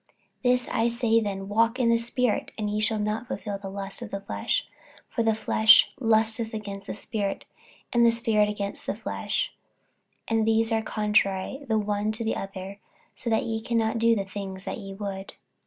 48:005:016 This I say then, Walk in the Spirit, and ye shall not fulfil the lust of the flesh. 48:005:017 For the flesh lusteth against the Spirit, and the Spirit against the flesh: and these are contrary the one to the other: so that ye cannot do the things that ye would.